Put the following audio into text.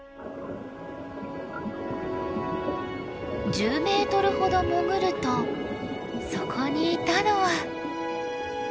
１０メートルほど潜るとそこにいたのは。